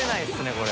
これ。